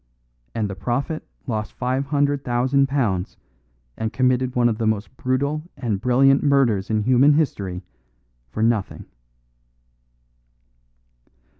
And the prophet lost five hundred thousand pounds and committed one of the most brutal and brilliant murders in human history for nothing."